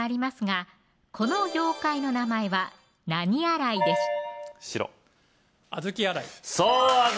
小豆洗いこの妖怪の名前は「何洗い」でしょう